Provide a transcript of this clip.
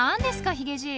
ヒゲじい。